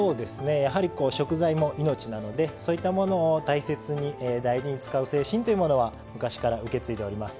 やはり食材も命なのでそういったものを大切に大事に使う精神というものは昔から受け継いでおります。